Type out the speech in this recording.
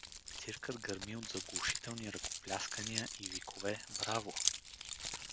Циркът гърми от заглушителни ръкопляскания и викове „браво“.